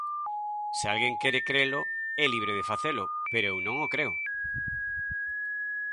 Se alguén quere crelo é libre de facelo, pero eu non o creo.